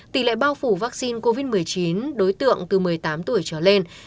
tỷ lệ bao phủ vaccine covid một mươi chín đối tượng từ một mươi tám tuổi trở lên